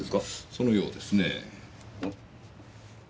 そのようですね。